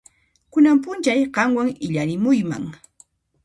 Kunan p'unchay qanwan illarimuyman.